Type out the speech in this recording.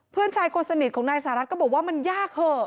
เพื่อนชายคนสนิทของนายสหรัฐก็บอกว่ามันยากเหอะ